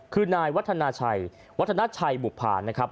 คือนายวัฒนาชัยวัฒนาชัยบุภานะครับ